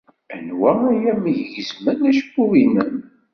Anwa ay am-igezmen acebbub-nnem?